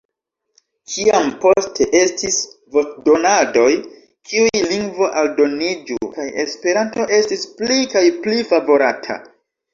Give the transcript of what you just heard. Kiam poste estis voĉdonadoj, kiu lingvo aldoniĝu, kaj Esperanto estis pli kaj pli favorata...